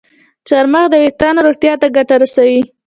چارمغز د ویښتانو روغتیا ته ګټه رسوي.